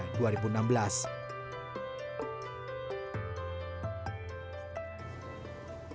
pertanian di kampung sidowaya